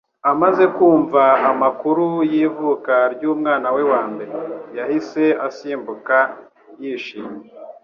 Amaze kumva amakuru y'ivuka ry'umwana we wa mbere, yahise asimbuka yishimye